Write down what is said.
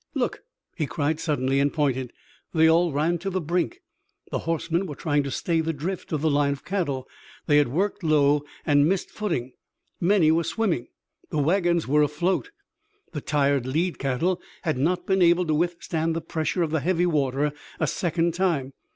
"Look!" he cried suddenly, and pointed. They all ran to the brink. The horsemen were trying to stay the drift of the line of cattle. They had worked low and missed footing. Many were swimming the wagons were afloat! The tired lead cattle had not been able to withstand the pressure of the heavy water a second time.